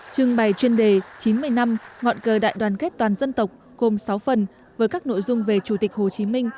trưng bày chuyên đề chín mươi năm ngọn cờ đại đoàn kết toàn dân tộc gồm sáu phần với các nội dung về chủ tịch hồ chí minh